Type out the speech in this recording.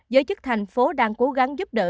giới chức thành phố đang cố gắng giúp đỡ